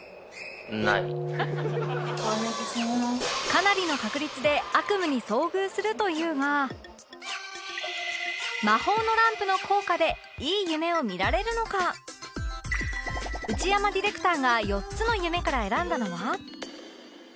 かなりの確率で悪夢に遭遇すると言うが魔法のランプの効果で内山ディレクターが４つの夢から選んだのは